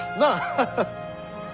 ハハハッ。